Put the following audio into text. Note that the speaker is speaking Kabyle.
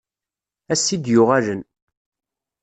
Ass i d-yuɣalen.